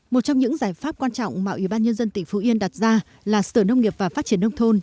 một trong những giải pháp quan trọng mà ủy ban nhân dân tỉnh phú yên đặt ra là sở nông nghiệp và phát triển nông thôn